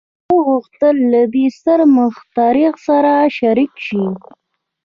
هغه غوښتل له دې ستر مخترع سره شريک شي.